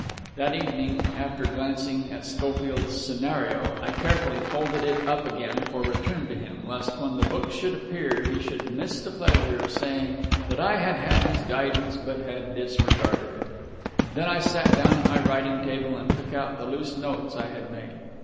That evening, after glancing at Schofield's "scenario," I carefully folded it up again for return to him, lest when the book should appear he should miss the pleasure of saying that I had had his guidance but had disregarded it; then I sat down at my writing table and took out the loose notes I had made.